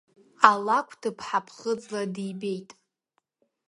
Алакә ҭыԥҳа ԥхыӡла дибеит…